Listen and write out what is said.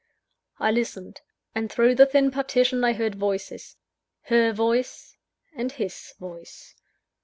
I listened; and through the thin partition, I heard voices her voice, and his voice.